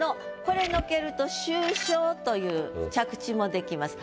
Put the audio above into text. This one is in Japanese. これのけると「秋宵」という着地もできます。